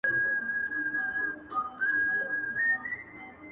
لېوه خره ته کړلې سپیني خپلي داړي -